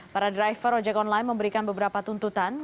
para driver ojek online memberikan beberapa tuntutan